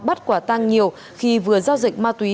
bắt quả tăng nhiều khi vừa giao dịch ma túy